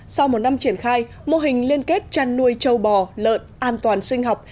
sau một năm triển khai mô hình liên kết chăn nuôi châu bò lợn an toàn sinh học